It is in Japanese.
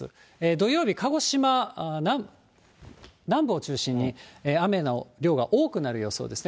土曜日、鹿児島南部を中心に雨の量が多くなる予想ですね。